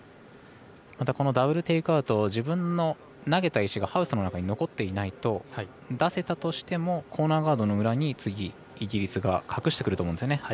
また、このダブル・テイクアウト自分の投げた石がハウスの中に残っていないの出せたとしてもコーナーガードの裏に次、イギリスが隠してくると思うんですね。